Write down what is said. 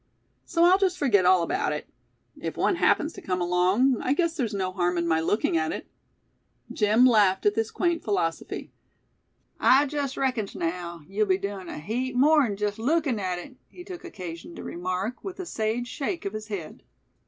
So I'll just forget all about it. If one happens to come along, I guess there's no harm in my looking at it." Jim laughed at this quaint philosophy. "I jest reckons naow, yeou'll be doin' a heap more'n jest lookin' at hit," he took occasion to remark, with a sage shake of his head.